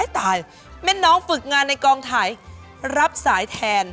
ตายแม่น้องฝึกงานในกองถ่ายรับสายแทน